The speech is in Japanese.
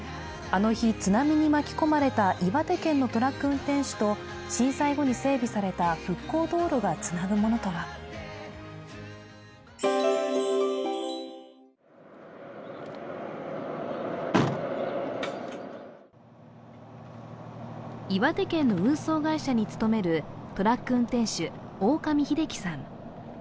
あの日、津波に巻き込まれた岩手県のトラック運転手と震災後に整備された復興道路がつなぐものとは。岩手県の運送会社に勤めるトラック運転手、大上秀喜さん。